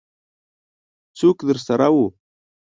څوک درسره وو؟